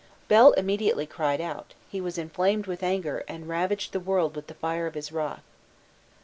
Bel immediately cried out, he was inflamed with anger, and ravaged the world with the fire of his wrath.